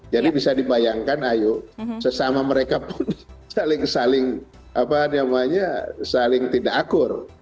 jadi bisa dibayangkan ayo sesama mereka pun saling tidak akur